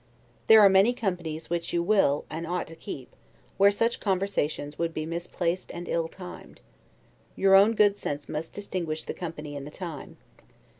There are many companies which you will, and ought to keep, where such conversations would be misplaced and ill timed; your own good sense must distinguish the company and the time.